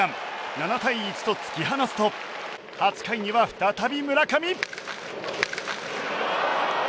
７対１と突き放すと８回には再び村上。